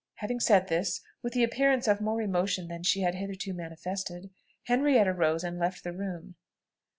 Having said this, with the appearance of more emotion than she had hitherto manifested, Henrietta rose and left the room.